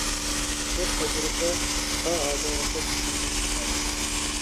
بۇ تەجرىبە تا ھازىرغىچە چۈشۈمدىن چىقمايدۇ.